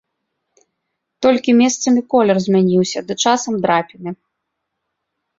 Толькі месцамі колер змяніўся ды часам драпіны.